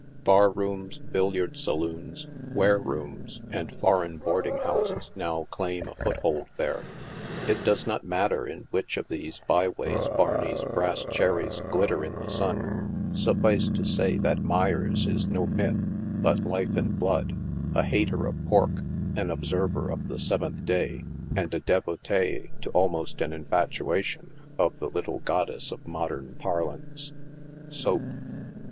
Bar rooms, billiard sa loons, ware rooms and foreign boarding houses now claim a foot hold there. It does not matter in which of these by ways Barney's brass cherries glitter in the sun ; suffice to say that Meyers is no myth, but life and blood, abater of pork, an observer of the Sev enth Bay, and a devotee to almost an infatuation of the little god dess of modern parlance — Soap.